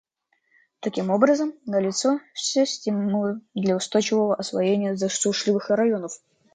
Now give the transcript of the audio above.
Таким образом, налицо все стимулы для устойчивого освоения засушливых районов.